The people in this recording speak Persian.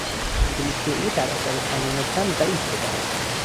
انگلیسی او در اثر تمرین کم ضعیف شده است.